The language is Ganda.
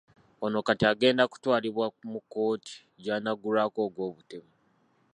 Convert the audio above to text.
Ono kati agenda ku twalibwa mu kkooti gy'anaggulwako ogw'obutemu.